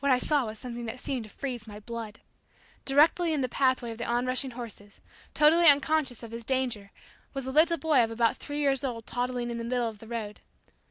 What I saw was something that seemed to freeze my blood! Directly in the pathway of the onrushing horses, totally unconscious of his danger, was a little boy of about three years old toddling along in the middle of the road.